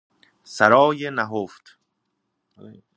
سرای نهفت